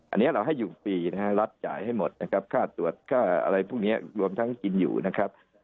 อันนี้เราให้อยู่ฟรีนะฮะรัฐจ่ายให้หมดนะครับค่าตรวจค่าอะไรพวกนี้รวมทั้งกินอยู่นะครับ